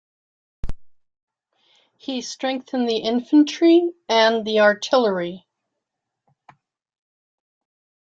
He strengthened the infantry and the artillery.